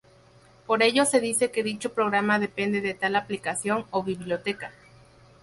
Por ello se dice que dicho programa depende de tal aplicación o biblioteca.